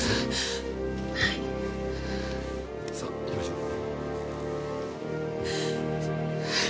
さあ行きましょう。